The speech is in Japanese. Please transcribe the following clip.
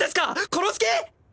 殺す気！？